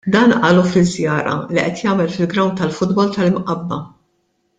Dan qalu fi żjara li qed jagħmel fil-grawnd tal-futbol tal-Imqabba.